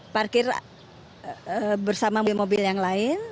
parkir bersama mobil mobil yang lain